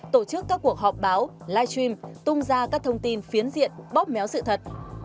tổ chức các cuộc họp báo live stream tung ra các thông tin phiến diện bóp méo sự thật